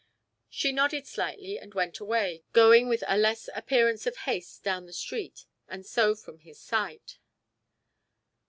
She nodded slightly and went away, going with a less appearance of haste down the street and so from his sight.